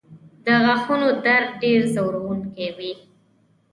د غاښونو درد ډېر ځورونکی وي.